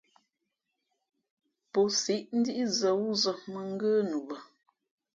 Pō siʼ ndí zᾱ wúzᾱ mᾱ ngə́ nu bᾱ.